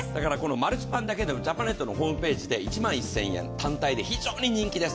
マルチパンだけでもジャパネットのホームページで１万１０００円、単体で非常に人気です。